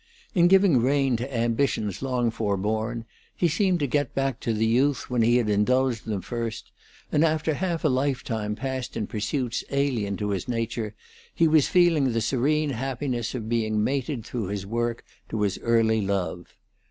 In giving rein to ambitions long forborne he seemed to get back to the youth when he had indulged them first; and after half a lifetime passed in pursuits alien to his nature, he was feeling the serene happiness of being mated through his work to his early love.